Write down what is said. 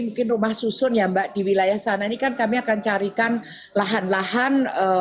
mungkin rumah susun ya mbak di wilayah sana ini kan kami akan carikan lahan lahan